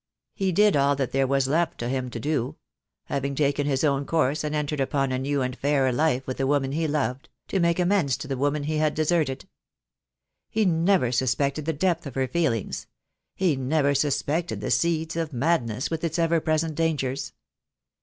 He did all that there was left to him to do — having taken his own course and en tered upon a new and fairer life with the woman he loved — to make amends to the woman he had deserted. He never suspected the depth of her feelings — he never sus pected the seeds of madness, with its ever present dangers.